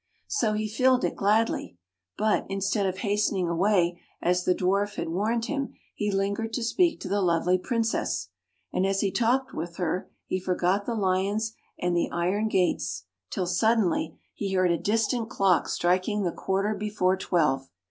So he filled it, gladly. But, instead of hastening away, as the Dwarf had warned him, he lingered to speak to the lovely Prin cess. And as he talked with her he forgot the lions and the iron gates — till suddenly [ 103 ] FAVORITE FAIRY TALES RETOLD he heard a distant clock striking the quarter before twelve.